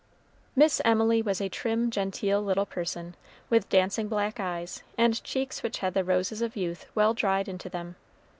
Miss Emily was a trim, genteel little person, with dancing black eyes, and cheeks which had the roses of youth well dried into them.